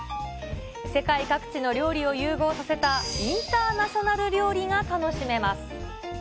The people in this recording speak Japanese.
世界各地の料理を融合させたインターナショナル料理が楽しめます。